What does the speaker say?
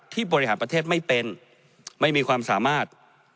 บริหารประเทศไม่เป็นไม่มีความสามารถ